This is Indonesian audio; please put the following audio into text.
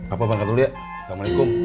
apa bangat dulu ya assalamualaikum